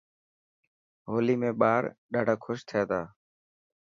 هولي ۾ ٻار ڏاڌا ڪوش ٿي تا.